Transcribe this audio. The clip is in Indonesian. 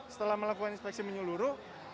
setelah melakukan inspeksi menyeluruh